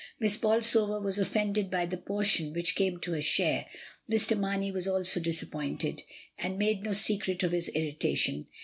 Miss Bolsover was offended by the portion which came to her share. Mr. Mamey was also disappointed, and made no secret of his irri tation.